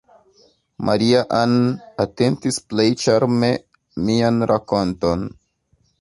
Maria-Ann atentis plej ĉarme mian rakonton.